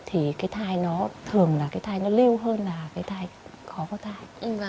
thì cái thai nó thường là cái thai nó lưu hơn là cái thai khó có thai